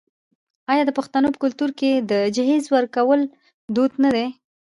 آیا د پښتنو په کلتور کې د جهیز ورکول دود نه دی؟